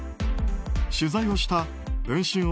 取材をした文春